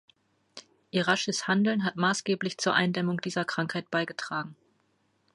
Ihr rasches Handeln hat maßgeblich zur Eindämmung dieser Krankheit beigetragen.